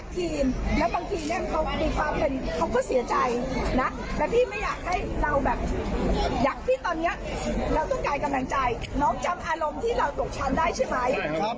พี่เชียบาทใช่มั้ยคนนู่นใช่มั้ย